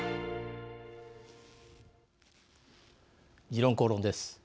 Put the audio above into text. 「時論公論」です。